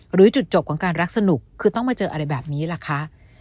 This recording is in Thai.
หรือจุดจบของการรักสนุกคือต้องมาเจออะไรแบบนี้ล่ะคะ